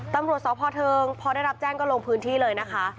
ตำรวจสพเทิงพอได้รับแจ้งก็ลงพื้นที่เลยนะคะ